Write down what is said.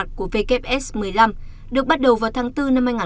đồng cơ vks một mươi năm được bắt đầu vào tháng bốn năm hai nghìn hai mươi ba